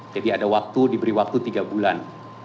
jadi ada waktu diberi waktu tiga bulan